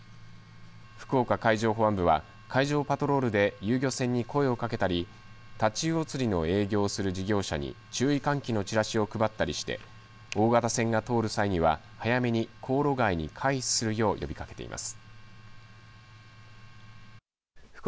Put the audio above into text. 福岡海上保安部は海上パトロールで遊漁船に声をかけたり太刀魚釣りの営業をする事業者に注意喚起のチラシを配ったりして大型船が通る際には早めに航路外に回避するよう呼びかけています。